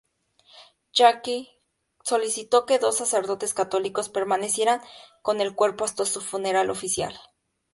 Jackie solicitó que dos sacerdotes católicos permanecieran con el cuerpo hasta su funeral oficial.